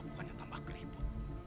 bukannya tambah keribut